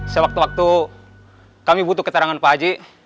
sewaktu waktu kami butuh keterangan pak haji